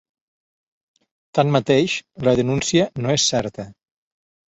Tanmateix, la denúncia no és certa.